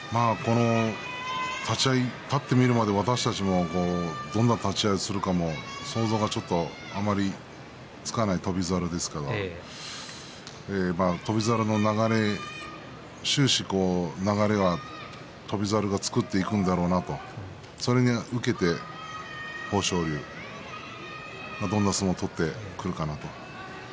立ち合い立ってみるまで私たちもどういう立ち合いをするのか想像はできませんけど翔猿の中で終始流れを翔猿が作っていくんだろうなとそれを受けて豊昇龍はどんな相撲を取ってくるかなと。